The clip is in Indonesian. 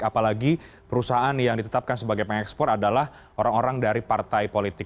apalagi perusahaan yang ditetapkan sebagai pengekspor adalah orang orang dari partai politik